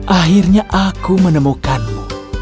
akhirnya aku menemukanmu